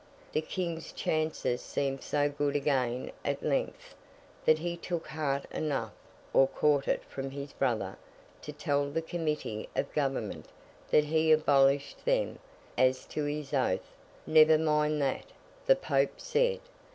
The King's chances seemed so good again at length, that he took heart enough—or caught it from his brother—to tell the Committee of Government that he abolished them—as to his oath, never mind that, the Pope said!